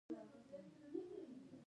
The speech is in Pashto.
ازادي راډیو د ترانسپورټ بدلونونه څارلي.